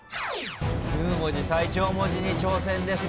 ９文字最長文字に挑戦です。